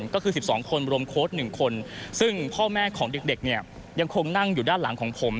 ก็คือ๑๒คนรวมโค้ด๑คนซึ่งพ่อแม่ของเด็กเนี่ยยังคงนั่งอยู่ด้านหลังของผม